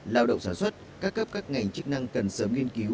lao động sản xuất các cấp các ngành chức năng cần sớm nghiên cứu